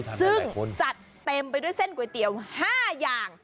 ซึ่งจัดเต็มไปด้วยเส้นก๋วยเตี๋ยว๕อย่าง